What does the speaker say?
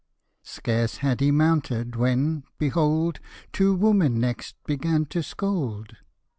Scarce had he mounted, when, behold, Two women next began to scold.